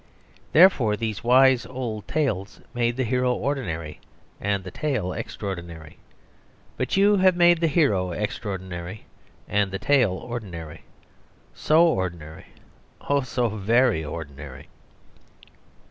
Therefore, these wise old tales made the hero ordinary and the tale extraordinary. But you have made the hero extraordinary and the tale ordinary so ordinary oh, so very ordinary."